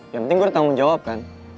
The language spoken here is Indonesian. yang penting gue udah tanggung jawab kan